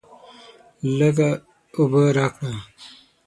لږ اوبه راکړه!